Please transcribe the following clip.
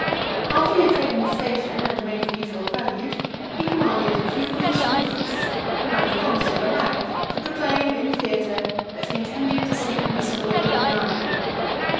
After he had taken his station, and made the usual prelude, he commanded Cluvius Rufus, a man of consular rank, to proclaim in the theatre, that he intended to sing the story of Niobe.